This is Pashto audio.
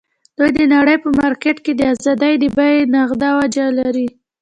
دوی د نړۍ په مارکېټ کې د ازادۍ د بیې نغده وجه لري.